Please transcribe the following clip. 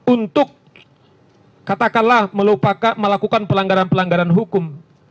untuk katakanlah melakukan pelanggaran pelanggaran hukum